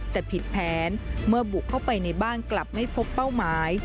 แต่ผิดแผนเมื่อบุกเข้าไปในบ้านกลับไม่พบเป้าหมาย